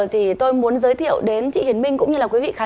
thì tôi muốn giới thiệu đến chị hiến minh